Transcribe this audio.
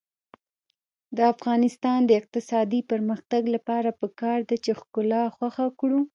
د افغانستان د اقتصادي پرمختګ لپاره پکار ده چې ښکلا خوښه کړو.